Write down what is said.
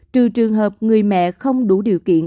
trừ trường hợp người mẹ không đủ điều kiện